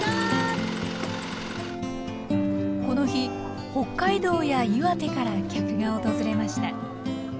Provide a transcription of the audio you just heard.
この日北海道や岩手から客が訪れました。